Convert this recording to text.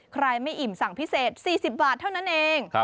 ใครไม่อิ่มสั่งพิเศษ๔๐บาทเท่านั้นเอง